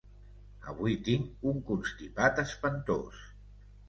Avui tinc un constipat espantós.